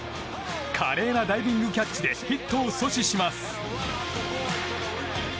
華麗なダイビングキャッチでヒットを阻止します。